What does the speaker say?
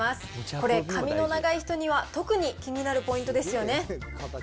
これ、髪の長い人には特に気になるポイントですよね。